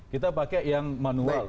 kita pakai yang manual